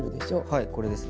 はいこれですね。